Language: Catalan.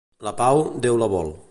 La pau, Déu la vol.